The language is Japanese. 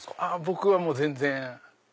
僕は全然。